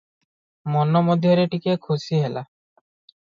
ମନ ମଧ୍ୟରେ ଟିକିଏ ଖୁସି ହେଲା ।